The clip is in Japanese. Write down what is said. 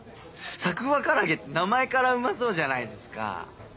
「『サクフワ唐揚げ』って名前からうまそうじゃないですか？」